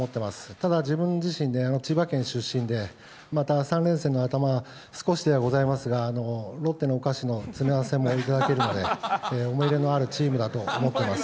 ただ自分自身、千葉県出身で、また３連戦の頭、少しではございますが、ロッテのお菓子の詰め合わせも頂けるので、思い入れのあるチームだと思っています。